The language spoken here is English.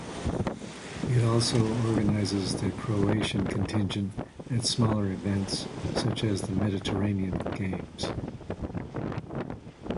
It also organizes the Croatian contingent at smaller events such as the Mediterranean Games.